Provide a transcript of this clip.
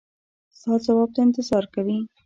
ستا ځواب ته انتظار کوي.